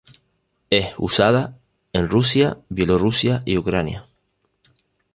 Es usada en Rusia, Bielorrusia y Ucrania.